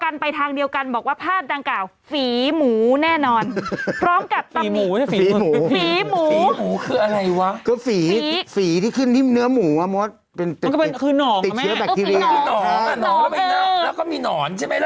แล้วก็มีหนอนใช่ไหมล่ะ